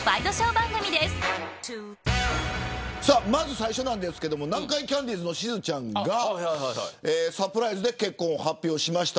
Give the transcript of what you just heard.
最初なんですが南海キャンディーズのしずちゃんがサプライズで結婚を発表しました。